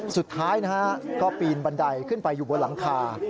สุดท้ายนะฮะก็ปีนบันไดขึ้นไปอยู่บนหลังคา